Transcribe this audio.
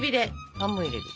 半分入れる。